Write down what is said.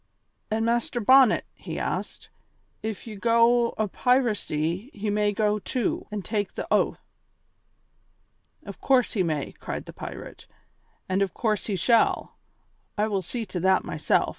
"An' Master Bonnet?" he asked. "If ye go out o' piracy he may go too, and take the oath." "Of course he may," cried the pirate, "and of course he shall; I will see to that myself.